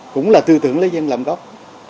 cũng là tư tưởng lãi dân làm góc